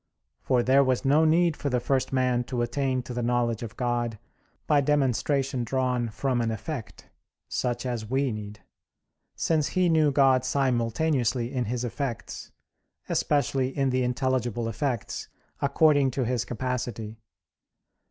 For there was no need for the first man to attain to the knowledge of God by demonstration drawn from an effect, such as we need; since he knew God simultaneously in His effects, especially in the intelligible effects, according to His capacity.